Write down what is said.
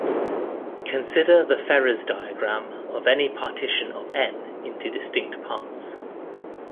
Consider the Ferrers diagram of any partition of "n" into distinct parts.